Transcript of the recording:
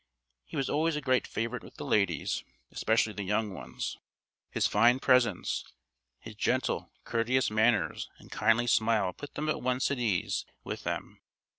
He was always a great favourite with the ladies, especially the young ones. His fine presence, his gentle, courteous manners and kindly smile put them at once at ease with him.